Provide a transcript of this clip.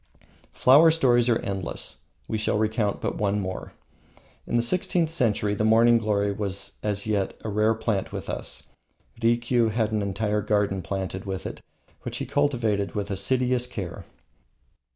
Flower stories are endless. We shall recount but one more. In the sixteenth century the morning glory was as yet a rare plant with us. Rikiu had an entire garden planted with it, which he cultivated with assiduous care.